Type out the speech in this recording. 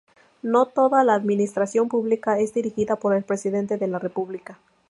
No toda la administración pública es dirigida por el Presidente de la República.